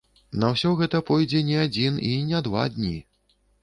На ўсё гэта пойдзе не адзін і не два дні.